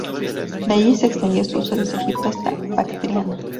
De allí se extendería su uso, desde Egipto hasta Bactriana.